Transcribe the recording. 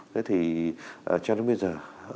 thế thì cho đến bây giờ